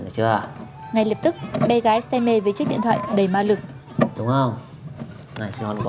con thích màu váy không